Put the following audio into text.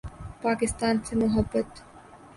پاکستان سے محبت